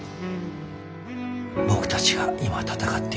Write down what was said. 僕たちが今闘っている相手は。